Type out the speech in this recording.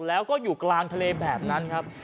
แล้วก็อยู่กลางทะเลแบบนั้นครับ